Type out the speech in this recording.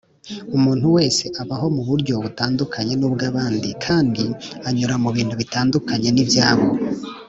umuntu wese abaho mu buryo butandukanye n’ubw’abandi kandi anyura mu bintu bitandukanye n’ibyabo